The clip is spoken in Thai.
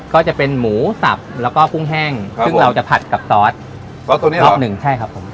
ก็จะเป็นหมูสับแล้วก็กุ้งแห้งซึ่งเราจะผัดกับซอสซอสตัวนี้รอบหนึ่งใช่ครับผม